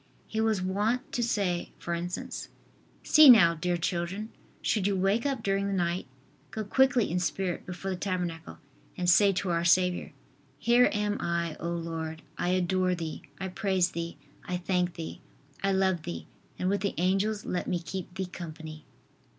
He was wont to say, for instance: "See now, dear children, should you wake up during the night, go quickly in spirit before the tabernacle and say to our Saviour: "Here am I, O Lord, I adore Thee, I praise Thee, I thank Thee, I love Thee and with the Angels let me keep Thee company.""